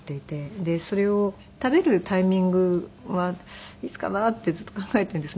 それを食べるタイミングはいつかなってずっと考えているんです。